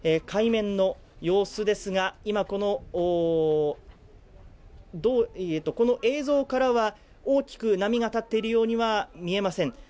海面の様子ですが、映像からは、大きく波が立っているようには見えません。